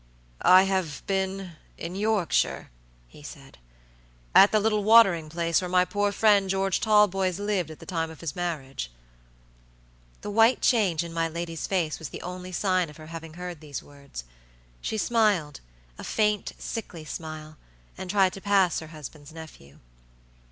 "I have beenin Yorkshire," he said; "at the little watering place where my poor friend George Talboys lived at the time of his marriage." The white change in my lady's face was the only sign of her having heard these words. She smiled, a faint, sickly smile, and tried to pass her husband's nephew.